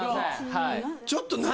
はいちょっと何？